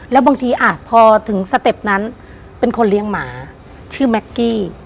แล้วบางทีอ่ะพอถึงสเต็ปนั้นเป็นคนเลี้ยงหมาชื่อแม็กกี้